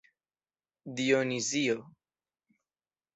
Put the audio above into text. Dionisio.